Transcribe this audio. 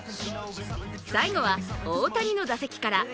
最後は大谷の打席から。